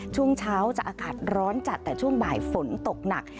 ช่วงเช้าจะอากาศร้อนจัดแต่ช่วงบ่ายฝนตกหนัก